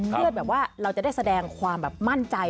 เพื่อแบบว่าเราจะได้แสดงความแบบมั่นใจ